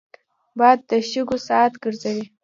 باد د شګو ساعت ګرځوي